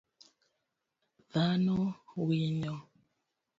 Dhano winyo